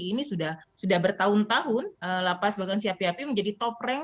ini sudah bertahun tahun lapas bagan siapi api menjadi top rank